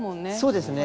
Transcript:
そうですね。